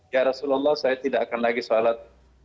ya rasulullah saya tidak akan lagi sholat